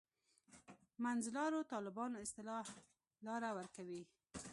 منځلارو طالبانو اصطلاح لاره ورکوي.